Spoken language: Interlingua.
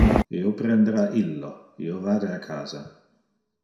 Io prendera illo. Io vade a casa.